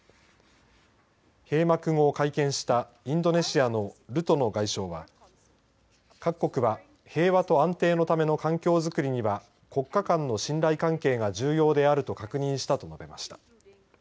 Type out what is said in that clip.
閉幕後、会見したインドネシアのルトノ外相は各国は平和と安定のための環境づくりには国家間の信頼関係が重要であると確認したと述べました。